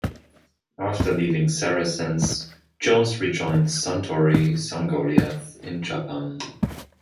After leaving Saracens, Jones rejoined Suntory Sungoliath in Japan.